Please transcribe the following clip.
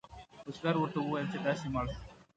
بزګر ورته وویل چې داسې مړ شو.